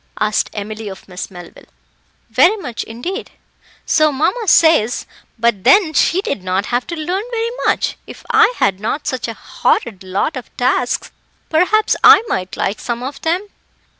asked Emily of Miss Melville. "Very much, indeed." "So mamma says, but then she did not have to learn very much. If I had not such a horrid lot of tasks, perhaps I might like some of them."